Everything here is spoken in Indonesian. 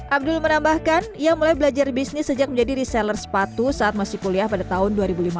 abdul menambahkan ia mulai belajar bisnis sejak menjadi reseller sepatu saat masih kuliah pada tahun dua ribu lima belas